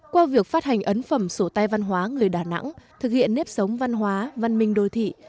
qua việc phát hành ấn phẩm sổ tay văn hóa người đà nẵng thực hiện nếp sống văn hóa văn minh đô thị